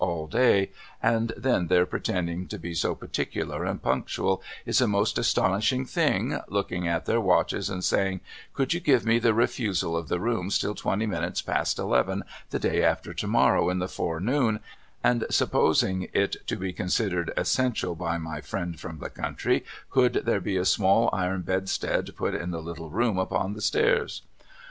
LIRRIPER'S LODGINGS day, and iheii their i)rctending to be so particular and punctual is a most astonishing thing, looking at their watches and saying ' Could you give me the refusal of the rooms till twenty minutes past eleven the day after to morrow in the forenoon, and supposing it to be considered essential by my friend from the country could there l)e a small iron bedstead put in the little room upon the stairs